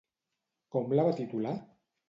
Com la va titular?